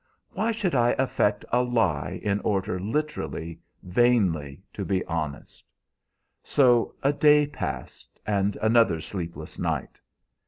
Why should I affect a lie in order literally, vainly to be honest? So a day passed, and another sleepless night.